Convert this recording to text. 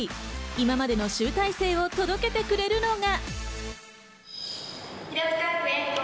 今までの集大成を届けてくれるのは。